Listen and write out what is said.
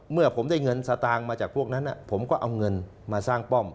เมื่อผมได้เงินสตางค์มาจากพวกนั้นผมก็เอาเงินมาสร้างป้อม